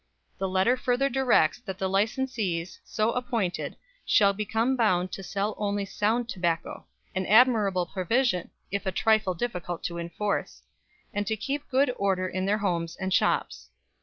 The letter further directs that the licensees so appointed shall become bound to sell only sound tobacco an admirable provision, if a trifle difficult to enforce and to keep good order in their houses and shops.